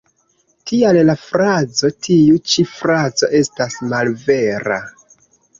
Tial la frazo ""Tiu ĉi frazo estas malvera.